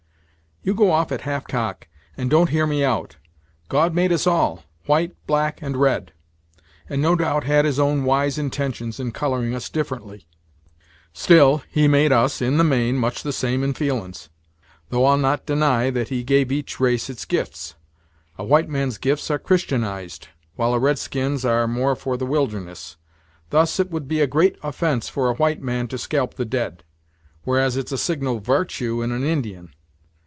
"You go off at half cock, and don't hear me out. God made us all, white, black, and red; and, no doubt, had his own wise intentions in coloring us differently. Still, he made us, in the main, much the same in feelin's; though I'll not deny that he gave each race its gifts. A white man's gifts are Christianized, while a red skin's are more for the wilderness. Thus, it would be a great offence for a white man to scalp the dead; whereas it's a signal vartue in an Indian.